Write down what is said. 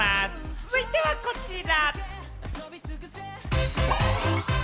続いてはこちら。